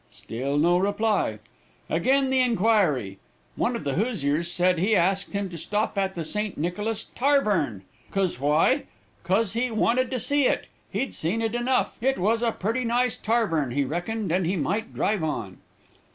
Still no reply. Again the inquiry. One of the Hoosiers said he asked him to 'stop at the St. Nicholas tarvern, 'cause why, 'cause he wanted to see it. He'd seen it enough; it was a purty nice tarvern, he reckoned, and he might drive on.'